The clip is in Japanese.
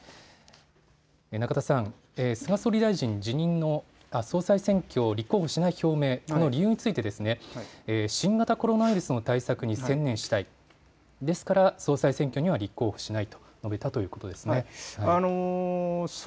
中田さん、菅総理大臣、総裁選に立候補しない理由について新型コロナウイルスの対策に専念したい、ですから総裁選挙に立候補しないと述べたということですね。